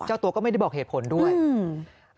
เจ้าตัวก็ไม่ได้บอกเหตุผลด้วยอืม